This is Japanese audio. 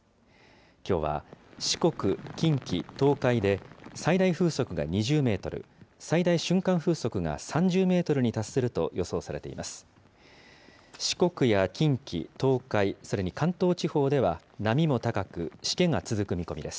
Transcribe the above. きょうは四国、近畿、東海で最大風速が２０メートル、最大瞬間風速が３０メートルに達すると予想されています。